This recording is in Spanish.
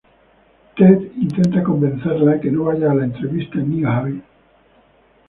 Ted intenta convencerla que no vaya a la entrevista en New Haven.